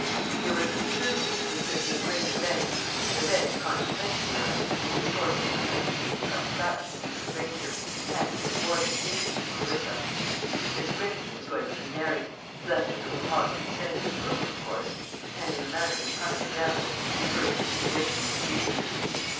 They were to return there to assist at a great event an event the contemplation whereof was a source of unmitigated satisfaction to Mr. Granger, and which was more than pleasing to Clarissa. Miss Granger was going to be married, blest with her papa's consent and approval, of course, and in a manner becoming a damsel whose first consideration was duty.